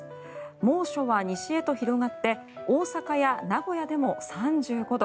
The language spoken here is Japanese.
猛暑は西へと広がって大阪や名古屋でも３５度。